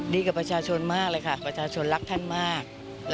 กับประชาชนมากเลยค่ะประชาชนรักท่านมาก